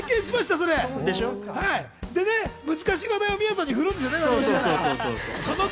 そして難しい話題をみやぞんさんに振るんですよね。